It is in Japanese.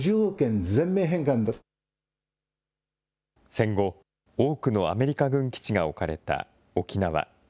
戦後、多くのアメリカ軍基地が置かれた沖縄。